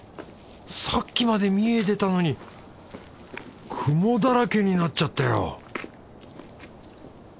さっきまで見えてたのに雲だらけになっちゃったよ！